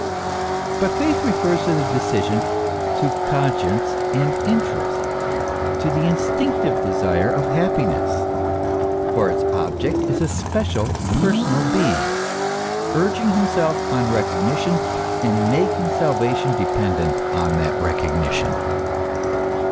But faith refers the decision to conscience and interest, to the instinctive desire of happiness; for its object is a special, per sonal Being, urging himself on recognition, and making salva tion dependent on that recognition.